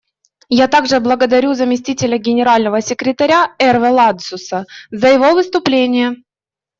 Я также благодарю заместителя Генерального секретаря Эрве Ладсуса за его выступление.